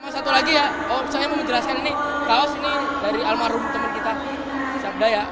satu lagi ya saya mau menjelaskan ini kaos ini dari almarhum teman kita sabda ya